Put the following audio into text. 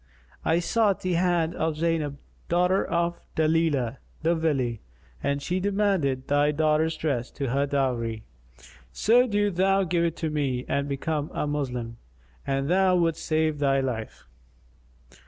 I sought the hand of Zaynab, daughter of Dalilah the Wily, and she demanded thy daughter's dress to her dowry; so do thou give it to me and become a Moslem, an thou wouldst save thy life."